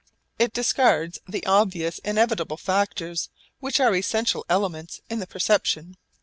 It discards the obvious inevitable factors which are essential elements in the perception.